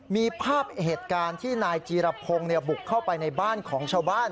มีภาพเหตุการณ์ที่นายจีรพงศ์บุกเข้าไปในบ้านของชาวบ้าน